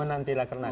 menanti rakyat kernas